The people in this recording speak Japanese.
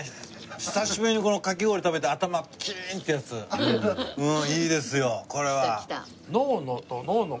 久しぶりにこのかき氷食べて頭キーンってやつうんいいですよこれは。